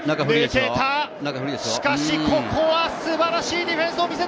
しかしここは素晴らしいディフェンスを見せた！